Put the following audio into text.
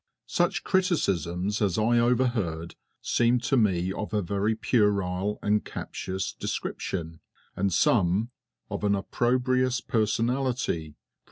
Such criticisms as I overheard, seemed to me of a very puerile and captious description, and some of an opprobrious personality, _e.